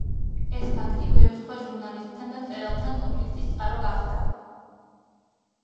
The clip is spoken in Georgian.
ეს ფაქტი ბევრ სხვა ჟურნალისტთან და მწერალთან კონფლიქტის წყარო გახდა.